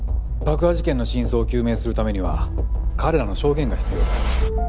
爆破事件の真相を究明するためには彼らの証言が必要だ。